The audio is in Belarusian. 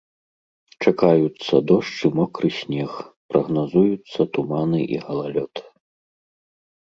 Чакаюцца дождж і мокры снег, прагназуюцца туманы і галалёд.